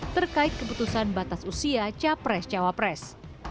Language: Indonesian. terkait keputusan batas usia capres cawapres